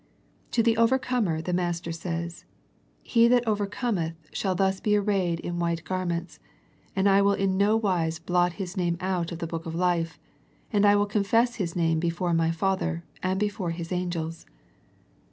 To the overcomer the Master says " He that overcometh shall thus be arrayed in white gar ments ; and I will in no wise blot his name out of the book of life, and I will confess his name before My Father, and before His angels."